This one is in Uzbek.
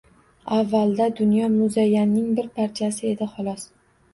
Avvalda dunyo muzayyanning bir parchasi edi xolos.